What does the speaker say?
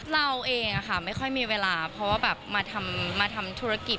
เราเองไม่ค่อยมีเวลาเพราะว่าแบบมาทำธุรกิจ